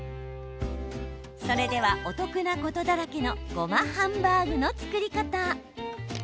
それでは、お得なことだらけのごまハンバーグの作り方。